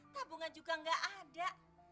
tabungan juga enggak ada